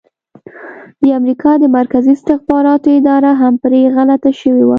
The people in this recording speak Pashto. د امریکا د مرکزي استخباراتو اداره هم پرې غلطه شوې وه.